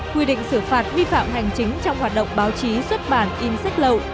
quy định xử phạt vi phạm hành chính trong hoạt động báo chí xuất bản in sách lậu